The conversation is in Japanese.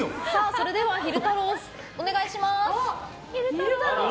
それでは昼太郎お願いします。